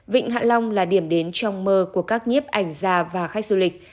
vịnh hạ long là điểm đến trong mơ của các nhiếp ảnh gia và khách du lịch